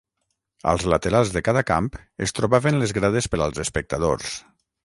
Als laterals de cada camp es trobaven les grades per als espectadors.